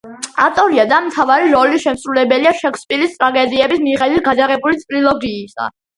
ავტორია და მთავარი როლის შემსრულებელია შექსპირის ტრაგედიების მიხედვით გადაღებული ტრილოგიისა.